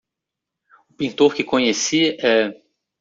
O pintor que conheci é